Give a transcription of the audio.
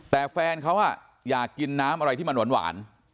แต่แฟนเขาอยากกินน้ำอะไรที่มันหวาน